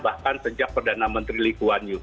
bahkan sejak perdana menteri lee kuan yew